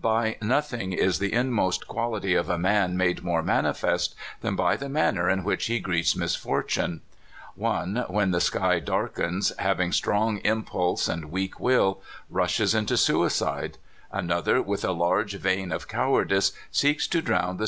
By nothing is the inmost quahty of a man made more manifest than by the manner in which he meets misfortune. One, when the sky darkens, having strong impulse and weak wifl, rushes into suicide; another, with a large vein of cowardice, seeks to drown the (215) 2l6 CALIFORNIA SKETCHES.